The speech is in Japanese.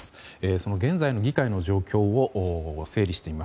その現在の議会の状況を整理してみます。